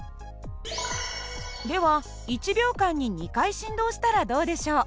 では１秒間に２回振動したらどうでしょう？